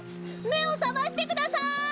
めをさましてください！